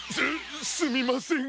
すすみません。